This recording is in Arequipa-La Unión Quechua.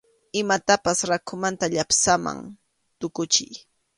Imatapas rakhumanta llapsaman tukuchiy.